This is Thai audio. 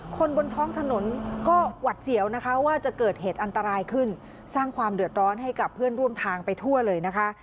คนบนท้องถนนก็หวัดเสียวนะคะว่าจะเกิดเหตุอันตรายขึ้นสร้างความเดือดร้อนให้กับเพื่อนร่วมทางไปทั่วเลยนะคะ